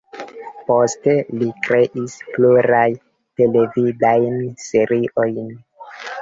Poste li kreis pluraj televidajn seriojn.